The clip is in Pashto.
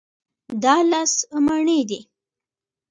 دا لس مڼې دي.